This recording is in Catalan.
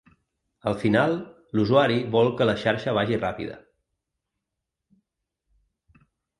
Al final, l’usuari vol que la xarxa vagi ràpida.